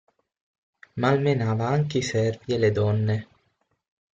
Malmenava anche i servi e le donne.